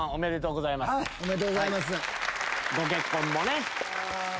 ご結婚もね。